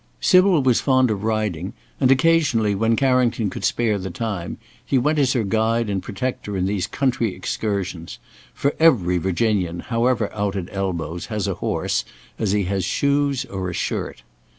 Sybil was fond of riding and occasionally, when Carrington could spare the time, he went as her guide and protector in these country excursions; for every Virginian, however out at elbows, has a horse, as he has shoes or a shirt.